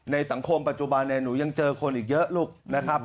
ในสังคมปัจจุบันหนูยังเจอคนอีกเยอะลูกนะครับ